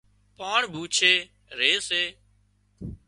پاڻ ڀوڇي ري سي